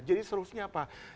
jadi solusinya apa